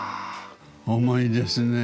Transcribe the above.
重いですね。